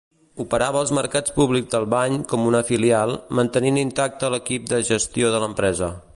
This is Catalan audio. Operava els Mercats Públics d'Albany com una filial, mantenint intacte l'equip de gestió de l'empresa.